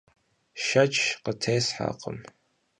Şşeç khıtêsherkhım.